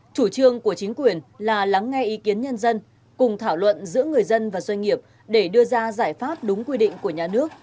chủ trương của chính quyền là lắng nghe ý kiến nhân dân cùng thảo luận giữa người dân và doanh nghiệp để đưa ra giải pháp đúng quy định của nhà nước